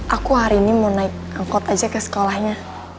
aku hari ini mau naik angkot aja ke sekolahnya